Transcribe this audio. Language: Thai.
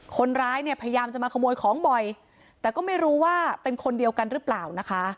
คนร้ายเนี่ยพยายามจะมาขโมยของบ่อยแต่ก็ไม่รู้ว่าเป็นคนเดียวกันหรือเปล่านะคะ